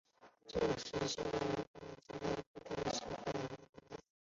这一时期的训练演习为公海舰队在第一次世界大战的行动提供了框架。